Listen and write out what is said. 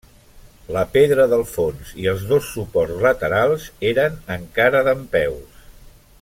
La pedra del fons i els dos suports laterals eren encara dempeus.